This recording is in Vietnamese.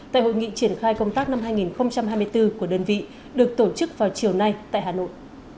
tại hội nghị triển khai công tác năm hai nghìn hai mươi bốn của đơn vị được tổ chức vào chiều nay tại hà nội